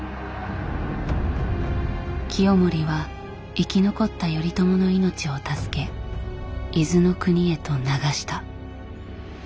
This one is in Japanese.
清盛は生き残った頼朝の命を助け伊豆国へと流した。